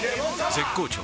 絶好調！！